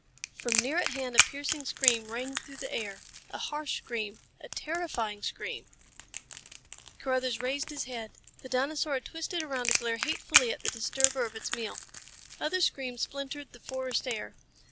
From near at hand a piercing scream rang through the air. A harsh scream. A terrifying scream! Carruthers raised his head. The dinosaur had twisted around to glare hatefully at the disturber of its meal. Other screams splintered the forest air.